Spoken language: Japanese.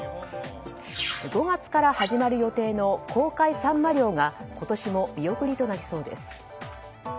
５月から始まる予定の公海サンマ漁が今年も見送りとなりそうです。